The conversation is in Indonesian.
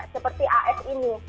seperti af ini